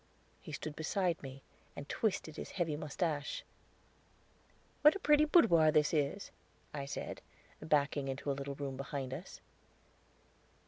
He stood beside me, and twisted his heavy mustache. "What a pretty boudoir this is," I said, backing into a little room behind us.